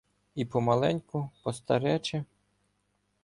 І помаленьку, по-старечи